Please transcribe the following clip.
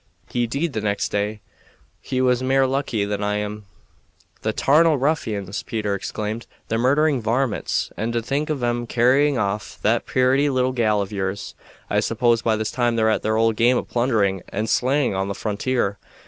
He deed the next day. He was mair lucky than I am." "The tarnal ruffians!" Peter exclaimed; "the murdering varmints! And to think of 'em carrying off that purty little gal of yours! I suppose by this time they're at their old game of plundering and slaying on the frontier.